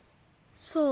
そう。